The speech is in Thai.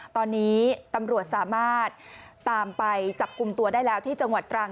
ตอนนี้ตำรวจสามารถตามไปจับกลุ่มตัวได้แล้วที่จังหวัดตรัง